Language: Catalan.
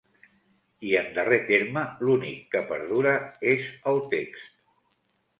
I, en darrer terme, l'únic que perdura és el text.